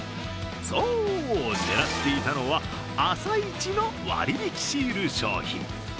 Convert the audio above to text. そう、狙っていたのは朝イチの割引シール商品。